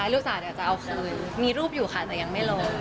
ใช่ลูกสาวจะเอาคืนมีรูปอยู่ค่ะแต่ยังไม่ลง